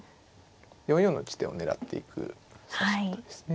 ４四の地点を狙っていく指し方ですね。